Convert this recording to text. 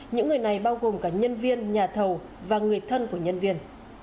những người này bao gồm cả nhân viên nhà thầu và người thân của nhân viên